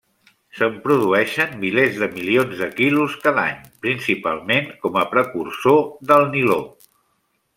Se'n produeixen milers de milions de quilos cada any, principalment com a precursor del niló.